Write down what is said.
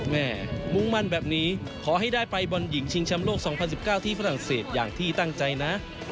มุ่งมั่นแบบนี้ขอให้ได้ไปบอลหญิงชิงแชมป์โลก๒๐๑๙ที่ฝรั่งเศสอย่างที่ตั้งใจนะ